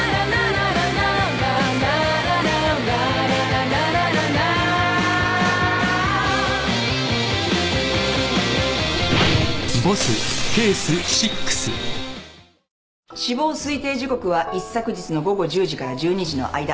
『Ａｌｒｉｇｈｔ！！』死亡推定時刻は一昨日の午後１０時から１２時の間。